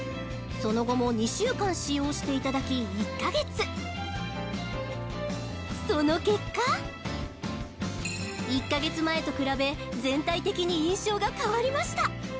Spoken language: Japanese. その後も２週間使用していただきその結果１か月前と比べ全体的に印象が変わりました